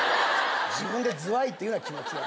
自分でズワイって言うな、気持ち悪い。